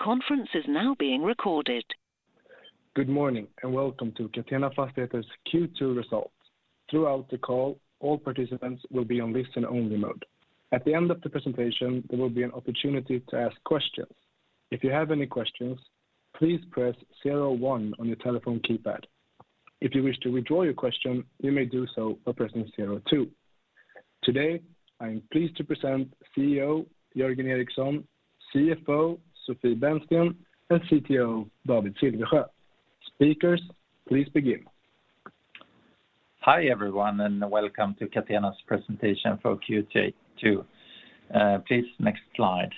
The conference is now being recorded. Good morning, and welcome to Catena Fastigheter's Q2 results. Throughout the call, all participants will be on listen only mode. At the end of the presentation, there will be an opportunity to ask questions. If you have any questions, please press zero-one on your telephone keypad. If you wish to withdraw your question, you may do so by pressing zero-two. Today, I am pleased to present CEO Jörgen Eriksson, CFO Sofie Bennsten, and CTO David Silvesjö. Speakers, please begin. Hi, everyone, and welcome to Catena's presentation for Q2. Please next slide.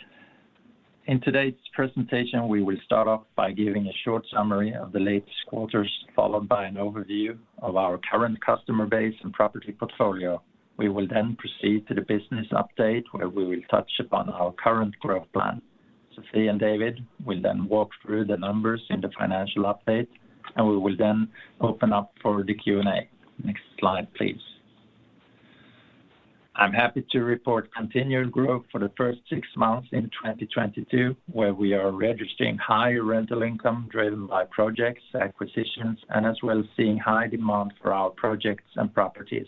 In today's presentation, we will start off by giving a short summary of the latest quarters, followed by an overview of our current customer base and property portfolio. We will then proceed to the business update, where we will touch upon our current growth plan. Sofie and David will then walk through the numbers in the financial update, and we will then open up for the Q&A. Next slide, please. I'm happy to report continued growth for the first six months in 2022, where we are registering higher rental income driven by projects, acquisitions, and as well as seeing high demand for our projects and properties.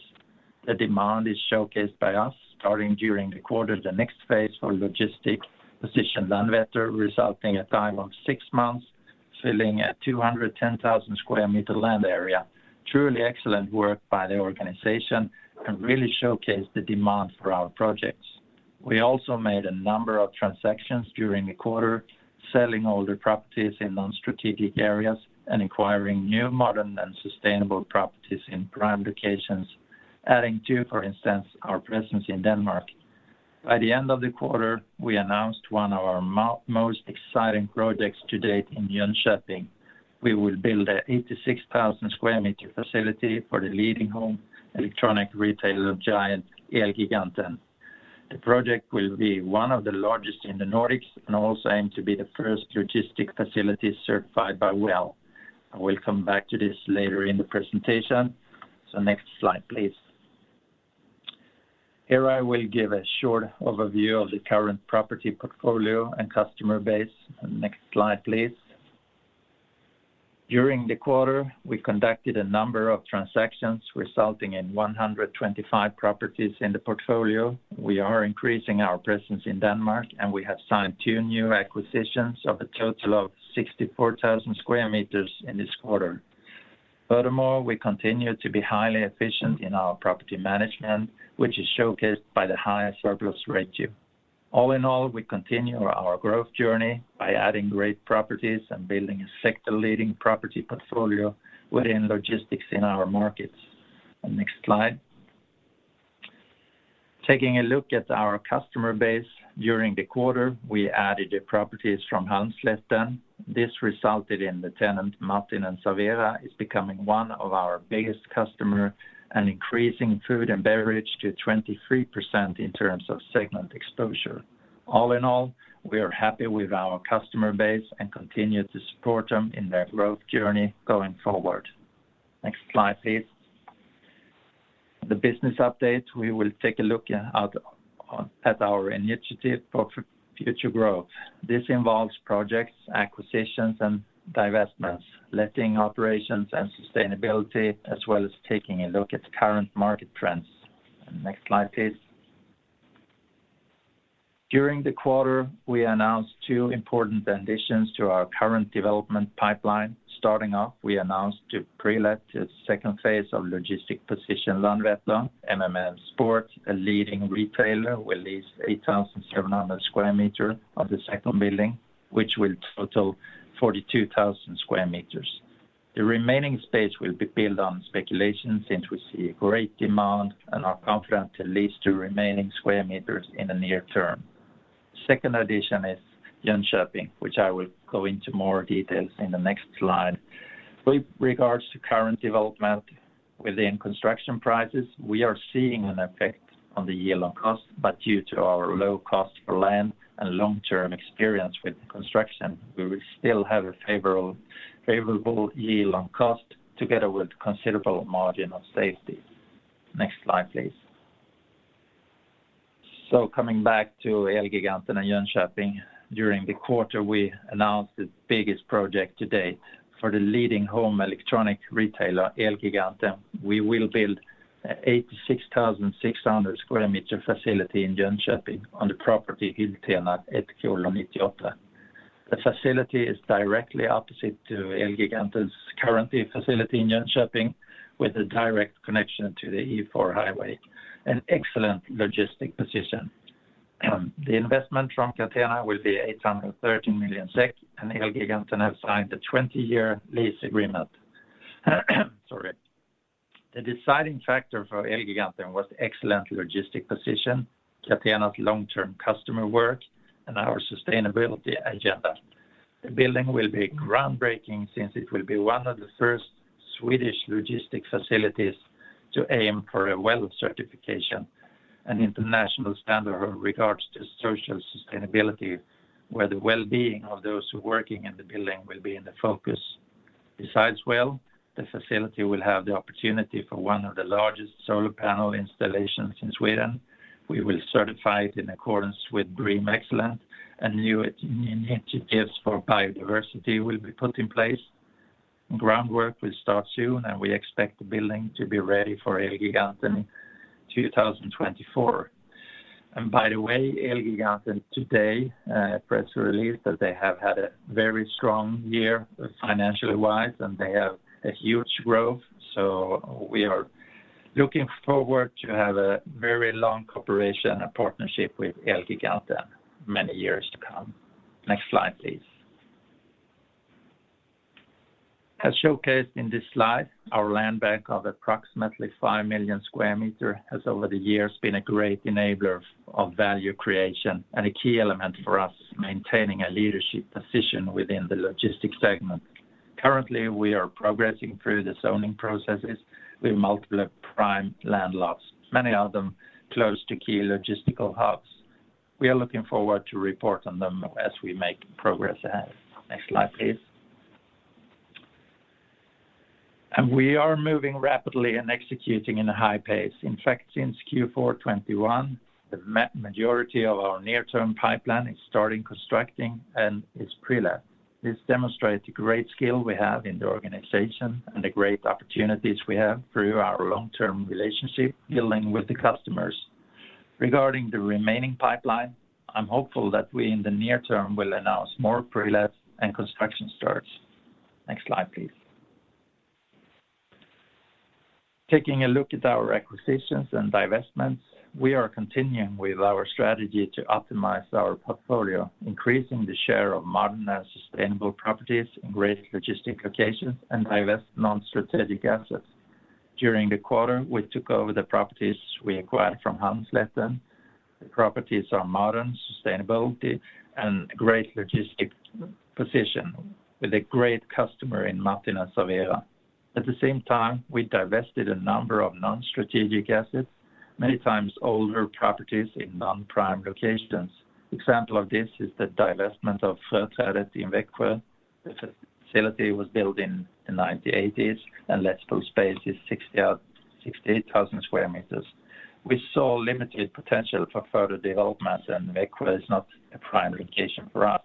The demand is showcased by us starting during the quarter, the next phase for Logistics Position Landvetter, resulting in a time of six months, filling a 210,000 square meters land area. Truly excellent work by the organization and really showcase the demand for our projects. We also made a number of transactions during the quarter, selling all the properties in non-strategic areas and acquiring new, modern, and sustainable properties in prime locations, adding to, for instance, our presence in Denmark. By the end of the quarter, we announced one of our most exciting projects to date in Jönköping. We will build an 86,000 square meters facility for the leading home electronics retailer giant, Elgiganten. The project will be one of the largest in the Nordics and also aim to be the first logistics facility certified by WELL. I will come back to this later in the presentation. Next slide, please. Here I will give a short overview of the current property portfolio and customer base. Next slide, please. During the quarter, we conducted a number of transactions resulting in 125 properties in the portfolio. We are increasing our presence in Denmark, and we have signed two new acquisitions of a total of 64,000 square meters in this quarter. Furthermore, we continue to be highly efficient in our property management, which is showcased by the higher surplus ratio. All in all, we continue our growth journey by adding great properties and building a sector-leading property portfolio within logistics in our markets. Next slide. Taking a look at our customer base, during the quarter, we added the properties from Halmslätten Fastighets AB. This resulted in the tenant Martin & Servera becoming one of our biggest customers and increasing food and beverage to 23% in terms of segment exposure. All in all, we are happy with our customer base and continue to support them in their growth journey going forward. Next slide, please. The business update, we will take a look at our initiative for future growth. This involves projects, acquisitions, and divestments, letting operations and sustainability, as well as taking a look at the current market trends. Next slide, please. During the quarter, we announced two important additions to our current development pipeline. Starting off, we announced to pre-let the second phase of Logistics Position Landvetter. MM Sports, a leading retailer, will lease 8,700 square meters of the second building, which will total 42,000 square meters. The remaining space will be built on speculation since we see great demand and are confident to lease to remaining square meters in the near term. Second addition is Jönköping, which I will go into more details in the next slide. With regards to current development within construction prices, we are seeing an effect on the yield on cost, but due to our low cost for land and long-term experience with construction, we will still have a favorable yield on cost together with considerable margin of safety. Next slide, please. Coming back to Elgiganten and Jönköping. During the quarter, we announced the biggest project to date for the leading home electronic retailer, Elgiganten. We will build a 86,600 square meter facility in Jönköping on the property Hyltena 1:98. The facility is directly opposite to Elgiganten's current facility in Jönköping with a direct connection to the E4 highway, an excellent logistic position. The investment from Catena will be 830 million SEK, and Elgiganten have signed a 20-year lease agreement. The deciding factor for Elgiganten was the excellent logistic position, Catena's long-term customer work, and our sustainability agenda. The building will be groundbreaking since it will be one of the first Swedish logistic facilities to aim for a WELL certification, an international standard with regards to social sustainability, where the well-being of those working in the building will be in the focus. Besides WELL, the facility will have the opportunity for one of the largest solar panel installations in Sweden. We will certify it in accordance with BREEAM Excellent, and new initiatives for biodiversity will be put in place. Groundwork will start soon, and we expect the building to be ready for Elgiganten in 2024. By the way, Elgiganten today press release that they have had a very strong year financially wise, and they have a huge growth. We are looking forward to have a very long cooperation and partnership with Elgiganten many years to come. Next slide, please. As showcased in this slide, our land bank of approximately five million square meters has over the years been a great enabler of value creation and a key element for us maintaining a leadership position within the logistics segment. Currently, we are progressing through the zoning processes with multiple prime land lots, many of them close to key logistical hubs. We are looking forward to report on them as we make progress ahead. Next slide, please. We are moving rapidly and executing in a high pace. In fact, since Q4 2021, the majority of our near-term pipeline is starting constructing and is prelet. This demonstrates the great skill we have in the organization and the great opportunities we have through our long-term relationship dealing with the customers. Regarding the remaining pipeline, I'm hopeful that we in the near term will announce more prelets and construction starts. Next slide, please. Taking a look at our acquisitions and divestments, we are continuing with our strategy to optimize our portfolio, increasing the share of modern and sustainable properties in great logistics locations and divest non-strategic assets. During the quarter, we took over the properties we acquired from Halmslätten. The properties are modern, sustainable, and great logistics position with a great customer in Martin & Servera. At the same time, we divested a number of non-strategic assets, many times older properties in non-prime locations. Example of this is the divestment of Fröträdet 1 in Växjö. The facility was built in the 1980s and lettable space is 68,000 square meters. We saw limited potential for further developments, and Växjö is not a prime location for us.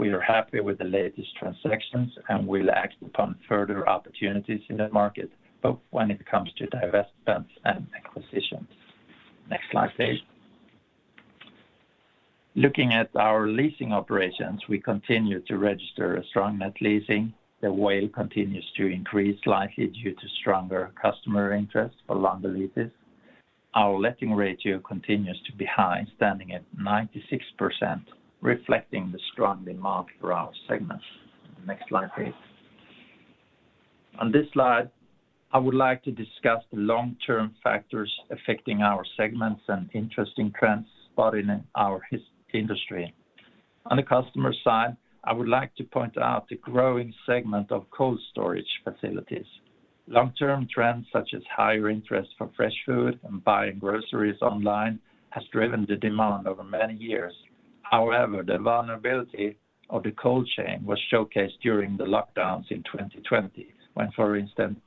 We are happy with the latest transactions, and we'll act upon further opportunities in the market, both when it comes to divestments and acquisitions. Next slide, please. Looking at our leasing operations, we continue to register a strong net letting. The WAULT continues to increase slightly due to stronger customer interest for longer leases. Our letting ratio continues to be high, standing at 96%, reflecting the strength in market for our segments. Next slide, please. On this slide, I would like to discuss the long-term factors affecting our segments and interesting trends spotted in our this industry. On the customer side, I would like to point out the growing segment of cold storage facilities. Long-term trends such as higher interest for fresh food and buying groceries online has driven the demand over many years. However, the vulnerability of the cold chain was showcased during the lockdowns in 2020 when, for instance,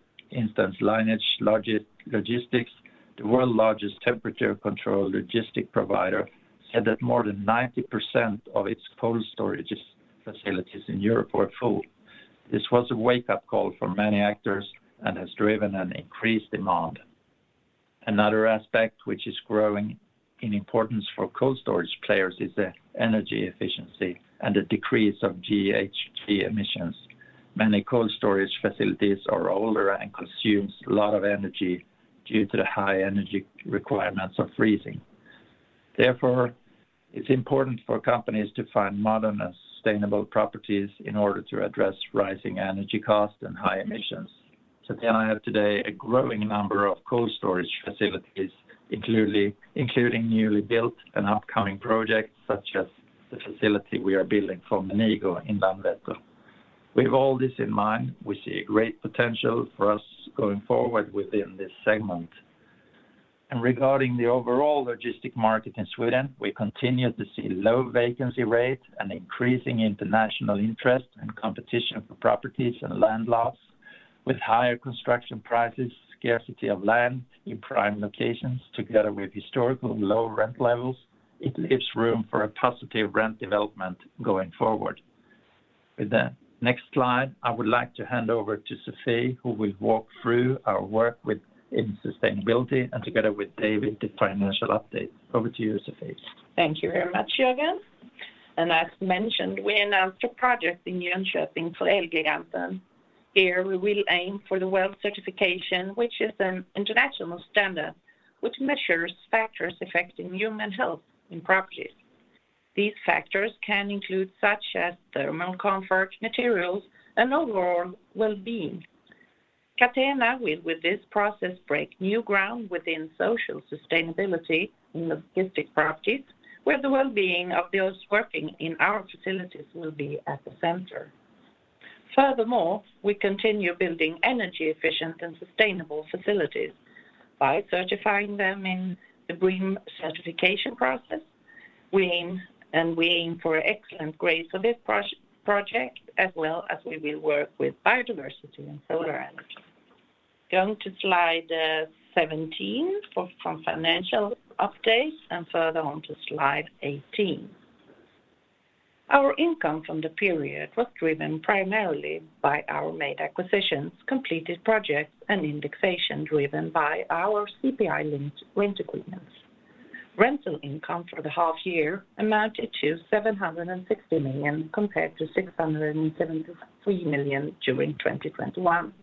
Lineage Logistics, the world's largest temperature-controlled logistics provider, said that more than 90% of its cold storage facilities in Europe were full. This was a wake-up call for many actors and has driven an increased demand. Another aspect which is growing in importance for cold storage players is the energy efficiency and the decrease of GHG emissions. Many cold storage facilities are older and consume a lot of energy due to the high energy requirements of freezing. Therefore, it's important for companies to find modern and sustainable properties in order to address rising energy costs and high emissions. I have today a growing number of cold storage facilities, including newly built and upcoming projects such as the facility we are building for Bring in Landvetter. With all this in mind, we see a great potential for us going forward within this segment. Regarding the overall logistics market in Sweden, we continue to see low vacancy rates and increasing international interest and competition for properties and land lots. With higher construction prices, scarcity of land in prime locations together with historical low rent levels, it leaves room for a positive rent development going forward. With the next slide, I would like to hand over to Sofie, who will walk through our work in sustainability and together with David, the financial update. Over to you, Sofie. Thank you very much, Jörgen. As mentioned, we announced a project in Jönköping for Elgiganten. Here, we will aim for the WELL certification, which is an international standard which measures factors affecting human health in properties. These factors can include such as thermal comfort, materials, and overall well-being. Catena will, with this process, break new ground within social sustainability in logistics properties, where the well-being of those working in our facilities will be at the center. Furthermore, we continue building energy efficient and sustainable facilities by certifying them in the BREEAM certification process. We aim for excellent grades of this project as well as we will work with biodiversity and solar energy. Going to slide 17 for financial updates, and further on to slide 18. Our income from the period was driven primarily by our main acquisitions, completed projects, and indexation driven by our CPI-linked rent agreements. Rental income for the half year amounted to 760 million, compared to 673 million during 2021.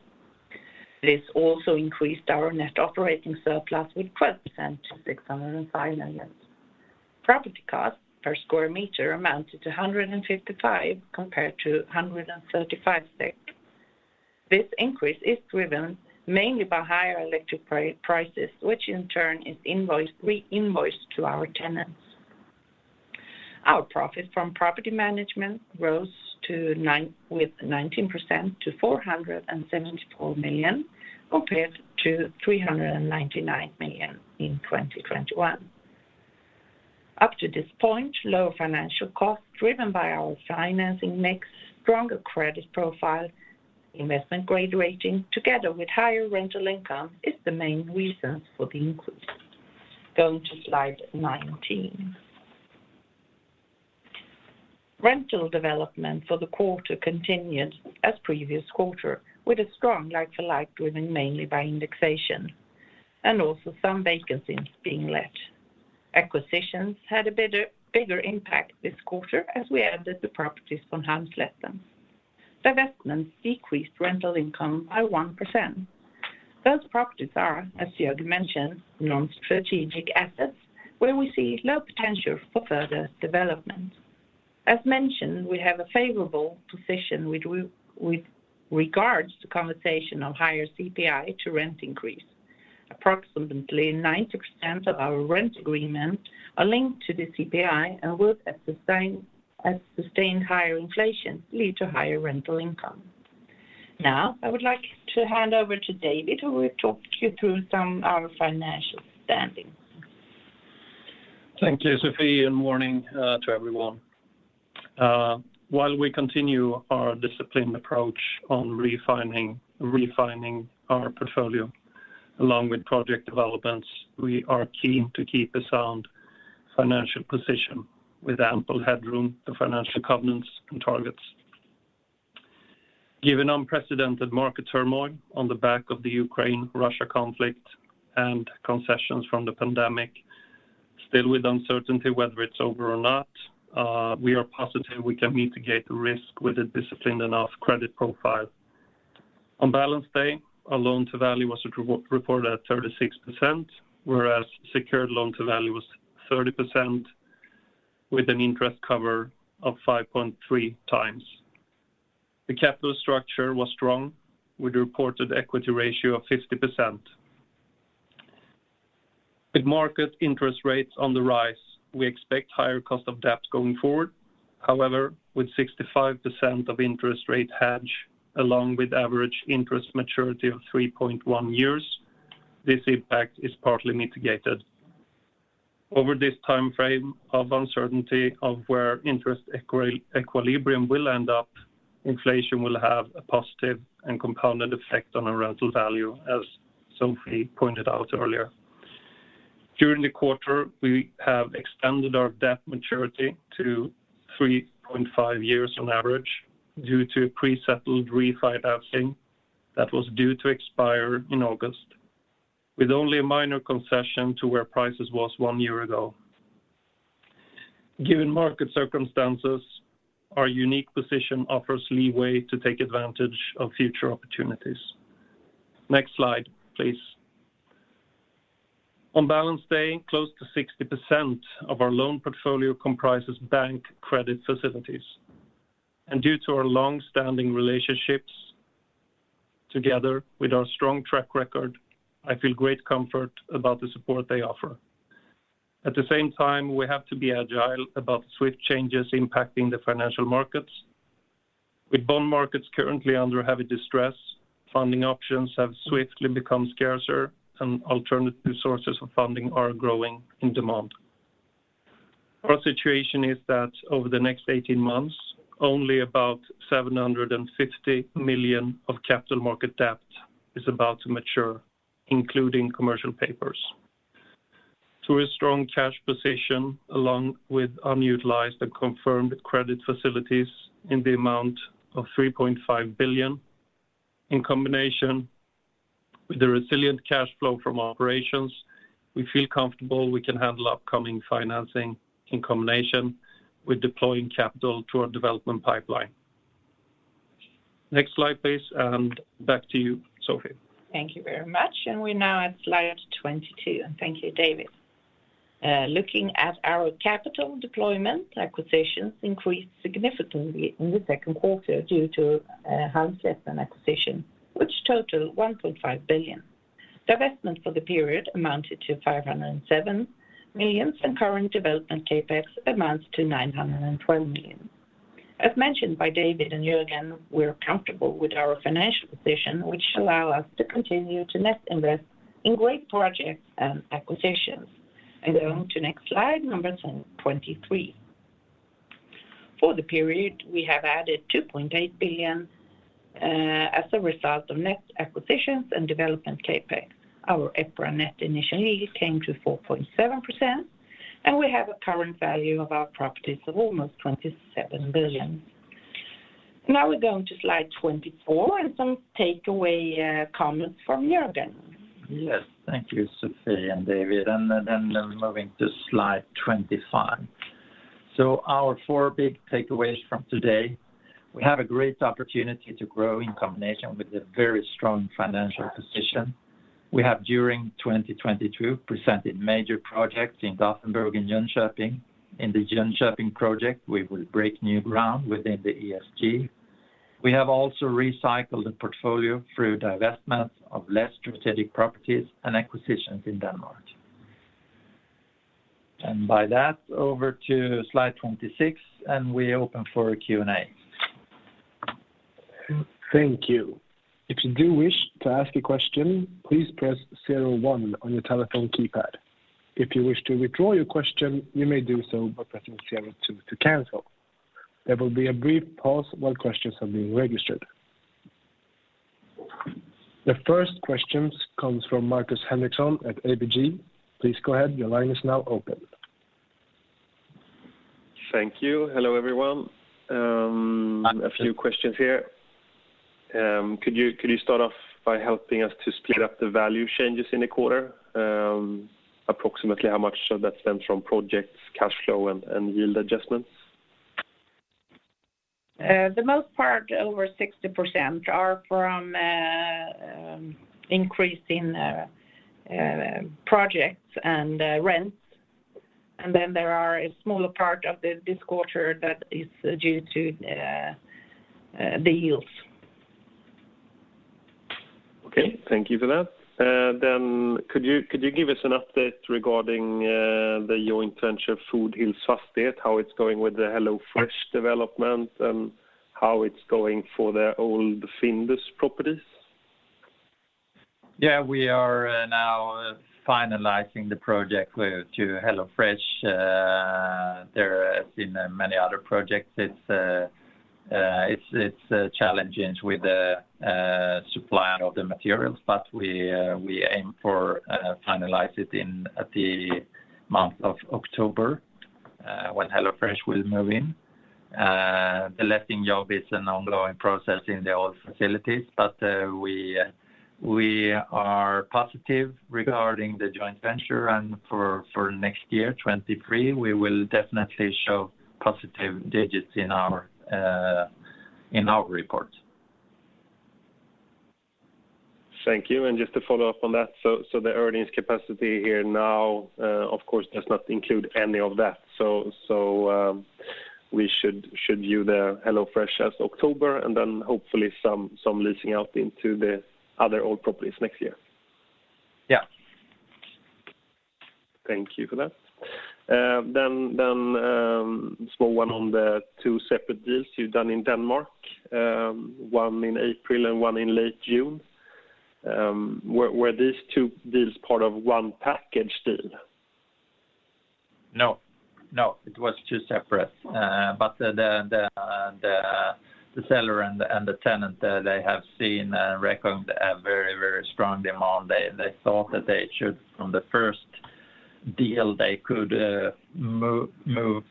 This also increased our net operating surplus with 12% to 605 million. Property costs per square meter amounted to 155, compared to 135 SEK. This increase is driven mainly by higher electric prices, which in turn is re-invoiced to our tenants. Our profit from property management rose with 19% to 474 million, compared to 399 million in 2021. Up to this point, lower financial costs driven by our financing mix, stronger credit profile, investment grade rating, together with higher rental income is the main reasons for the increase. Going to slide 19. Rental development for the quarter continued as previous quarter, with a strong like-for-like driven mainly by indexation and also some vacancies being let. Acquisitions had a bigger impact this quarter as we added the properties from Halmslätten. Divestments decreased rental income by 1%. Those properties are, as Jörgen mentioned, non-strategic assets where we see low potential for further development. As mentioned, we have a favorable position with regards to conversion of higher CPI to rent increase. Approximately 90% of our rent agreements are linked to the CPI and at sustained higher inflation leads to higher rental income. Now, I would like to hand over to David, who will talk you through some of our financial standing. Thank you, Sofie, and good morning to everyone. While we continue our disciplined approach on refining our portfolio along with project developments, we are keen to keep a sound financial position with ample headroom to financial covenants and targets. Given unprecedented market turmoil on the back of the Russo-Ukrainian War and consequences from the pandemic, still with uncertainty whether it's over or not, we are positive we can mitigate the risk with a disciplined enough credit profile. On balance day, our loan to value was reported at 36%, whereas secured loan to value was 30% with an interest cover of 5.3x. The capital structure was strong with reported equity ratio of 50%. With market interest rates on the rise, we expect higher cost of debt going forward. However, with 65% of interest rate hedge, along with average interest maturity of 3.1 years, this impact is partly mitigated. Over this timeframe of uncertainty of where interest equilibrium will end up, inflation will have a positive and compounded effect on our rental value, as Sofie pointed out earlier. During the quarter, we have extended our debt maturity to 3.5 years on average due to pre-settled refinancing that was due to expire in August, with only a minor concession to where prices was one year ago. Given market circumstances, our unique position offers leeway to take advantage of future opportunities. Next slide, please. On balance day, close to 60% of our loan portfolio comprises bank credit facilities. Due to our long-standing relationships together with our strong track record, I feel great comfort about the support they offer. At the same time, we have to be agile about swift changes impacting the financial markets. With bond markets currently under heavy distress, funding options have swiftly become scarcer and alternative sources of funding are growing in demand. Our situation is that over the next 18 months, only about 750 million of capital market debt is about to mature, including commercial paper. Through a strong cash position along with unutilized and confirmed credit facilities in the amount of 3.5 billion, in combination with the resilient cash flow from operations, we feel comfortable we can handle upcoming financing in combination with deploying capital to our development pipeline. Next slide, please, and back to you, Sofie. Thank you very much, and we're now at slide 22. Thank you, David. Looking at our capital deployment, acquisitions increased significantly in the second quarter due to a Halmslätten acquisition, which total 1.5 billion. Divestment for the period amounted to 507 million, and current development CapEx amounts to 912 million. As mentioned by David and Jörgen, we're comfortable with our financial position, which allow us to continue to net invest in great projects and acquisitions. Going to next slide number 23. For the period, we have added 2.8 billion as a result of net acquisitions and development CapEx. Our EPRA net initial yield came to 4.7%, and we have a current value of our properties of almost 27 billion. Now we're going to slide 24, and some takeaway comments from Jörgen. Yes. Thank you, Sofie and David. Moving to slide 25. Our four big takeaways from today, we have a great opportunity to grow in combination with a very strong financial position. We have during 2022 presented major projects in Gothenburg and Jönköping. In the Jönköping project, we will break new ground within the ESG. We have also recycled the portfolio through divestments of less strategic properties and acquisitions in Denmark. By that, over to slide 26, and we open for a Q&A. Thank you. If you do wish to ask a question, please press zero one on your telephone keypad. If you wish to withdraw your question, you may do so by pressing zero two to cancel. There will be a brief pause while questions are being registered. The first questions comes from Markus Henriksson at ABG. Please go ahead. Your line is now open. Thank you. Hello, everyone. A few questions here. Could you start off by helping us to split up the value changes in the quarter? Approximately how much of that stems from projects, cash flow, and yield adjustments? For the most part, over 60% are from increases in projects and rents. There are a smaller part of this quarter that is due to the yields. Okay, thank you for that. Could you give us an update regarding the joint venture Foodhills Fastighet, how it's going with the HelloFresh development, and how it's going for the old Findus properties? Yeah, we are now finalizing the project with HelloFresh. There has been many other projects. It's challenging with the supply of the materials, but we aim to finalize it in the month of October, when HelloFresh will move in. The letting job is an ongoing process in the old facilities, but we are positive regarding the joint venture. For next year, 2023, we will definitely show positive digits in our report. Thank you. Just to follow up on that, so the earnings capacity here now, of course does not include any of that. We should view the HelloFresh as October, and then hopefully some leasing out into the other old properties next year. Yeah. Thank you for that. Small one on the two separate deals you've done in Denmark, one in April and one in late June. Were these two deals part of one package deal? No. It was two separate. The seller and the tenant have seen a record very strong demand. They thought that they should, from the first deal, they could move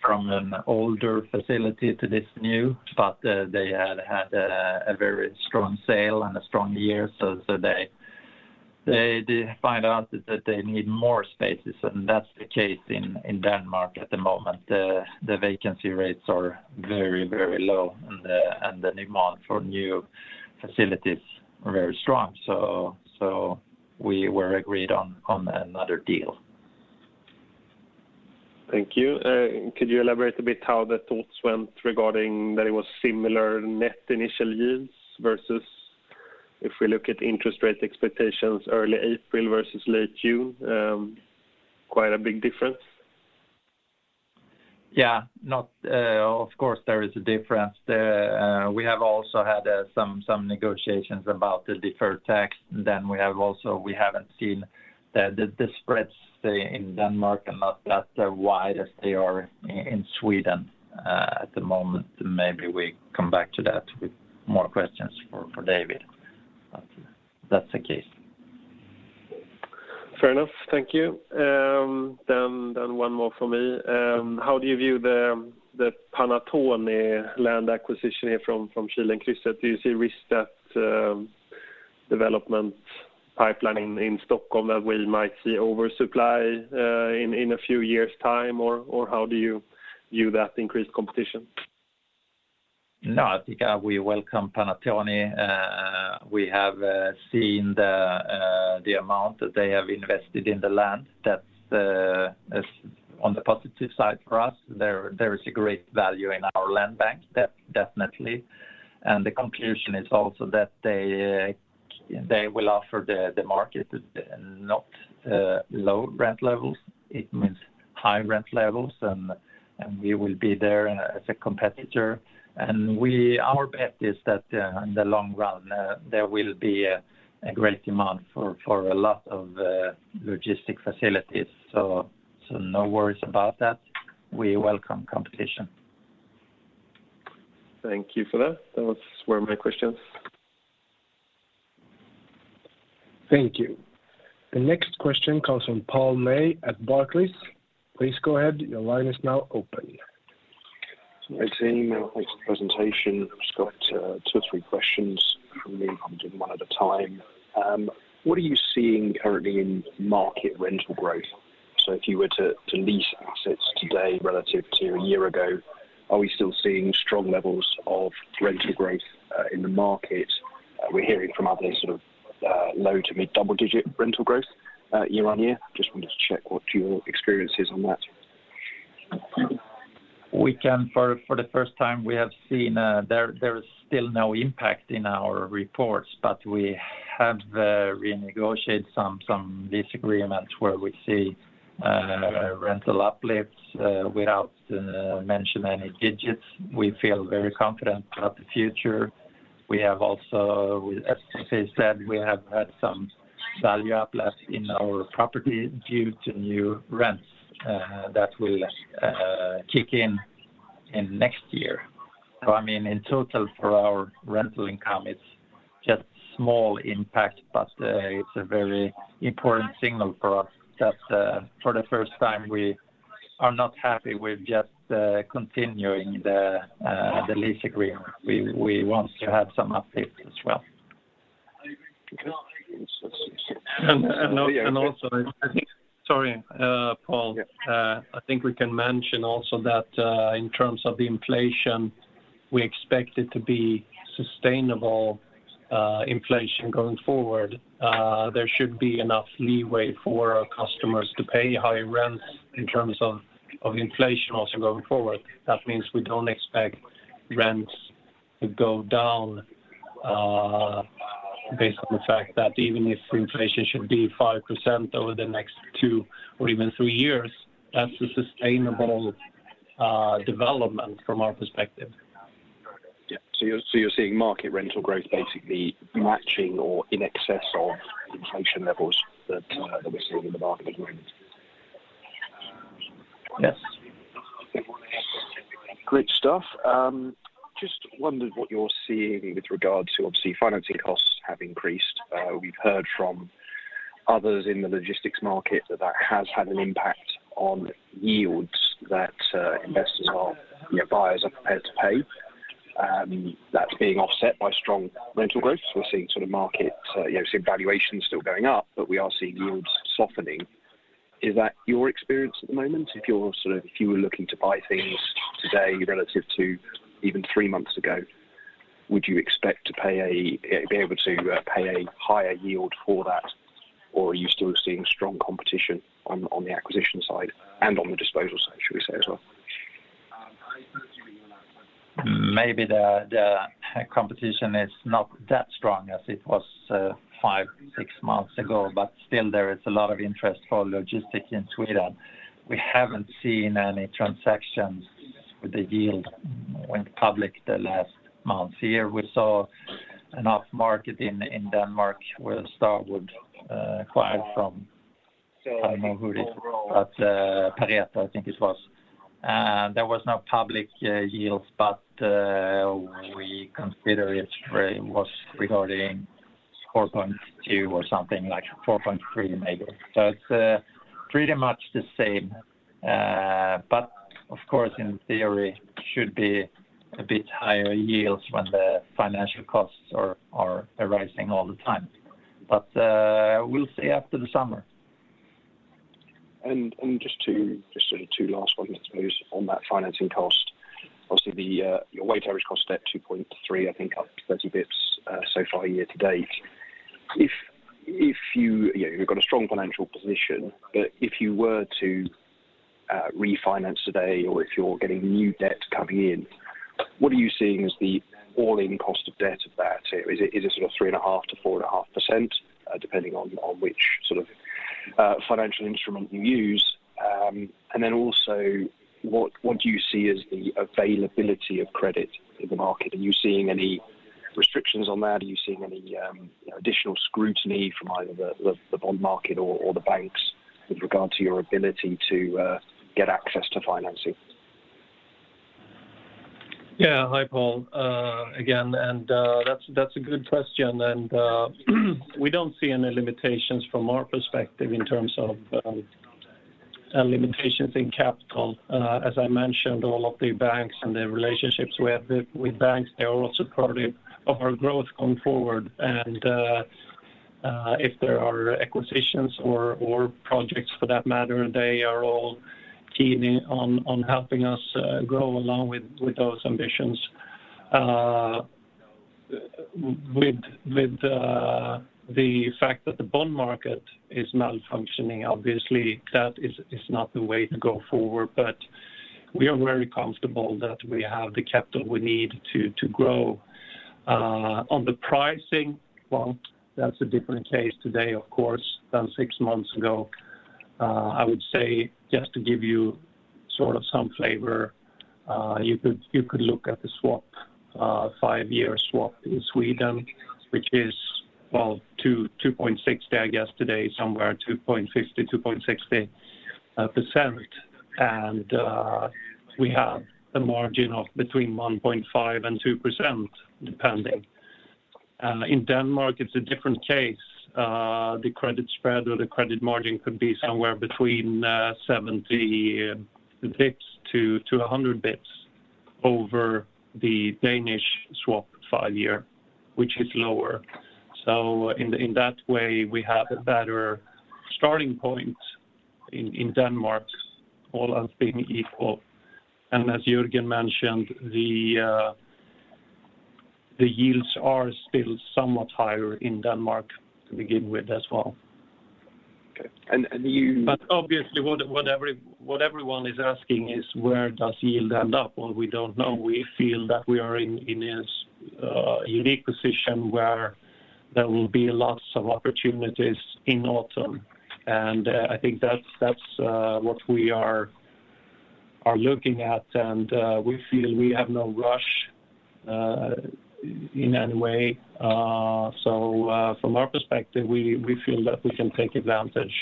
from an older facility to this new, but they had a very strong sales and a strong year. They found out that they need more spaces, and that's the case in Denmark at the moment. The vacancy rates are very low and the demand for new facilities are very strong. We agreed on another deal. Thank you. Could you elaborate a bit how the thoughts went regarding that it was similar net initial yields versus if we look at interest rate expectations early April versus late June? Quite a big difference. Yeah. Of course, there is a difference. We have also had some negotiations about the deferred tax. We haven't seen the spreads in Denmark are not that wide as they are in Sweden at the moment. Maybe we come back to that with more questions for David. That's the case. Fair enough. Thank you. One more for me. How do you view the Panattoni land acquisition here from Kilenkrysset? Do you see risk that development pipeline in Stockholm that we might see oversupply in a few years' time, or how do you view that increased competition? No, I think we welcome Panattoni. We have seen the amount that they have invested in the land. That is on the positive side for us. There is a great value in our land bank, definitely. The conclusion is also that they will offer to the market not low rent levels. It means high rent levels, and we will be there as a competitor. Our bet is that in the long run there will be a great demand for a lot of logistic facilities. No worries about that. We welcome competition. Thank you for that. Those were my questions. Thank you. The next question comes from Paul May at Barclays. Please go ahead. Your line is now open. Hi team. Thanks for the presentation. Just got two or three questions from me. I'll do one at a time. What are you seeing currently in market rental growth? If you were to lease assets today relative to a year ago, are we still seeing strong levels of rental growth in the market? We're hearing from others sort of low to mid double-digit rental growth year on year. Just wanted to check what your experience is on that. For the first time, we have seen there is still no impact in our reports, but we have renegotiate some lease agreements where we see rental uplifts without mention any digits. We feel very confident about the future. We have also, as Sofie said, we have had some value uplift in our property due to new rents that will kick in next year. I mean, in total for our rental income, it's just small impact, but it's a very important signal for us that for the first time, we are not happy with just continuing the lease agreement. We want to have some updates as well. Also, I think. Sorry, Paul. Yeah. I think we can mention also that, in terms of the inflation, we expect it to be sustainable, inflation going forward. There should be enough leeway for our customers to pay high rents in terms of inflation also going forward. That means we don't expect rents to go down, based on the fact that even if inflation should be 5% over the next two or even three years, that's a sustainable development from our perspective. Yeah. You're seeing market rental growth basically matching or in excess of inflation levels that we're seeing in the market at the moment? Yes. Great stuff. Just wondered what you're seeing with regards to, obviously, financing costs have increased. We've heard from others in the logistics market that that has had an impact on yields that investors or, you know, buyers are prepared to pay. That's being offset by strong rental growth. We're seeing valuations still going up, but we are seeing yields softening. Is that your experience at the moment? If you were looking to buy things today relative to even three months ago, would you expect to be able to pay a higher yield for that? Or are you still seeing strong competition on the acquisition side and on the disposal side, should we say as well? Maybe the competition is not that strong as it was five months, six months ago, but still there is a lot of interest for logistics in Sweden. We haven't seen any transactions with the yield went public the last months. Here we saw an off-market in Denmark where Starwood acquired from, I don't know who it is, but PATRIZIA, I think it was. There was no public yields, but we consider it was regarding 4.2 or something like 4.3 maybe. So it's pretty much the same. Of course, in theory, should be a bit higher yields when the financial costs are arising all the time. We'll see after the summer. Just sort of two last ones, I suppose, on that financing cost. Obviously, your weighted average cost at 2.3, I think up 30 basis points, so far year to date. If you know, you've got a strong financial position, but if you were to refinance today or if you're getting new debt coming in, what are you seeing as the all-in cost of debt of that? Is it sort of 3.5%-4.5%, depending on which sort of financial instrument you use? Then also, what do you see as the availability of credit in the market? Are you seeing any restrictions on that? Are you seeing any, you know, additional scrutiny from either the bond market or the banks with regard to your ability to get access to financing? Yeah. Hi, Paul, again. That's a good question. We don't see any limitations from our perspective in terms of limitations in capital. As I mentioned, all of the banks and the relationships we have with banks, they are all supportive of our growth going forward. If there are acquisitions or projects for that matter, they are all keen on helping us grow along with those ambitions. With the fact that the bond market is malfunctioning, obviously that is not the way to go forward. We are very comfortable that we have the capital we need to grow. On the pricing front, that's a different case today, of course, than six months ago. I would say, just to give you sort of some flavor, you could look at the swap five-year swap in Sweden, which is 2.60% I guess today, somewhere 2.50%-2.60%. We have a margin of between 1.5% and 2%, depending. In Denmark, it's a different case. The credit spread or the credit margin could be somewhere between 70 basis points to 100 basis points over the Danish swap five-year, which is lower. In that way, we have a better starting point in Denmark, all else being equal. As Jörgen mentioned, the yields are still somewhat higher in Denmark to begin with as well. Okay. Obviously what everyone is asking is where does yield end up? Well, we don't know. We feel that we are in this unique position where there will be lots of opportunities in autumn. I think that's what we are looking at. We feel we have no rush in any way. From our perspective, we feel that we can take advantage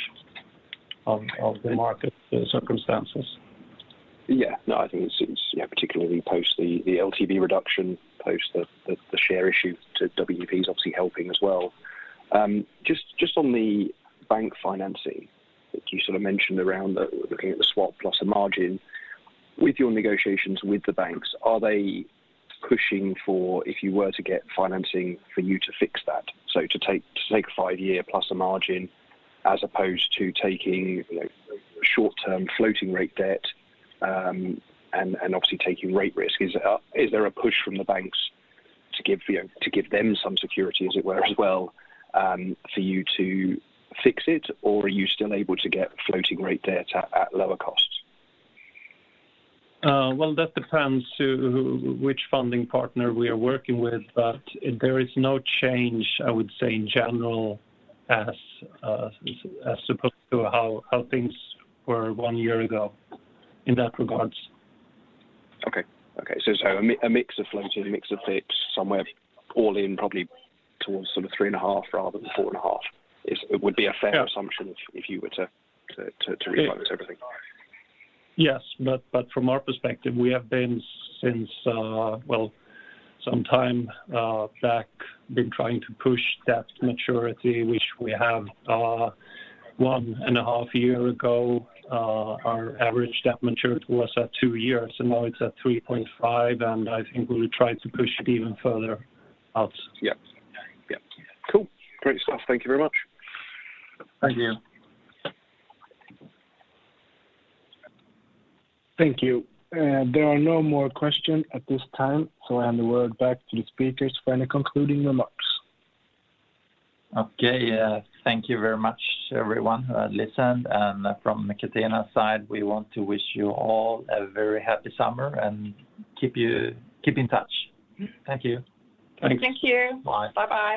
of the market circumstances. Yeah. No, I think it's yeah, particularly post the LTV reduction, post the share issue to W. P. Carey is obviously helping as well. Just on the bank financing that you sort of mentioned around the looking at the swap plus the margin. With your negotiations with the banks, are they pushing for if you were to get financing for you to fix that? So to take five-year plus the margin as opposed to taking, you know, short-term floating rate debt, and obviously taking rate risk. Is there a push from the banks to give, you know, to give them some security, as it were, as well, for you to fix it? Or are you still able to get floating rate debt at lower costs? Well, that depends on which funding partner we are working with, but there is no change, I would say, in general as opposed to how things were one year ago in that regard. A mix of floating, a mix of fixed somewhere all in probably towards sort of 3.5% rather than 4.5%. Would be a fair- Yeah. If you were to refloat everything? From our perspective, we have been some time back trying to push debt maturity, which we have. 1.5 years ago, our average debt maturity was at two years, and now it's at 3.5, and I think we will try to push it even further out. Yeah. Yeah. Cool. Great stuff. Thank you very much. Thank you. Thank you. There are no more questions at this time, so I hand the word back to the speakers for any concluding remarks. Okay. Thank you very much, everyone, listen. From Catena side, we want to wish you all a very happy summer, and keep in touch. Thank you. Thanks. Thank you. Bye. Bye-bye.